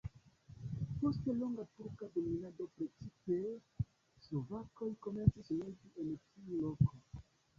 Post longa turka dominado precipe slovakoj komencis loĝi en tiu loko.